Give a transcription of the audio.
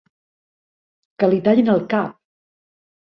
Que li tallin el cap!